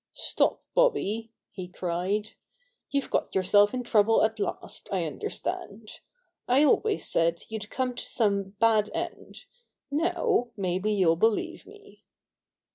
''Stop, Bobby!" he cried. "YouVe got yourself in trouble at last, I understand. I always said you'd come to some bad end. Now maybe you'll believe me."